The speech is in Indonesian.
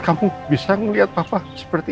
kembali ke sini